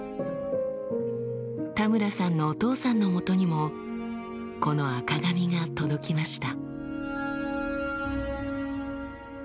田村さんのお父さんのもとにもこの赤紙が届きました。